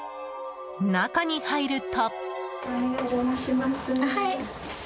中に入ると。